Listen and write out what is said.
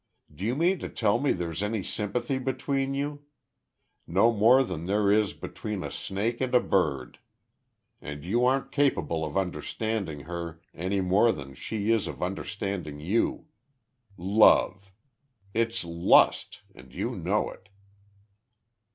Do you mean to tell me there's any sympathy between you? No more than there is between a snake and a bird. And you aren't capable of understanding her any more than she is of understanding you. Love! It's lust! And you know it!"